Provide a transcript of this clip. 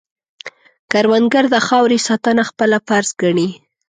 کروندګر د خاورې ساتنه خپله فرض ګڼي